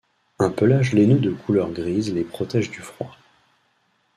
Un pelage laineux de couleur grise les protègent du froid.